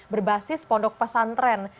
berbasis pondok pesantren